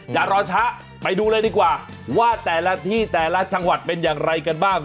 อย่ารอช้าไปดูเลยดีกว่าว่าแต่ละที่แต่ละจังหวัดเป็นอย่างไรกันบ้าง